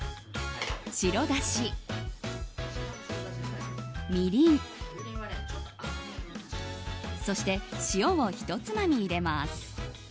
白だし、みりんそして塩をひとつまみ入れます。